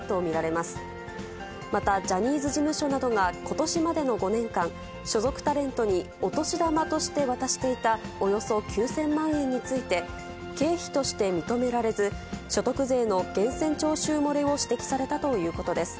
またジャニーズ事務所などがことしまでの５年間、所属タレントにお年玉として渡していたおよそ９０００万円について、経費として認められず、所得税の源泉徴収漏れを指摘されたということです。